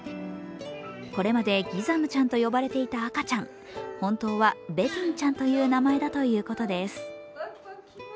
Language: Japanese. これまでギザムちゃんと呼ばれていた赤ちゃん、本当はベティンちゃんという名前だということです。